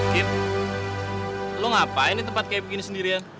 kit lo ngapain di tempat kayak begini sendirian